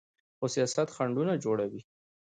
خو سیاست خنډونه جوړوي.